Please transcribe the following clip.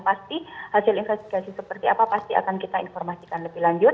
pasti hasil investigasi seperti apa pasti akan kita informasikan lebih lanjut